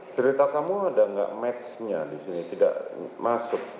cerita kamu ada gak match nya disini tidak masuk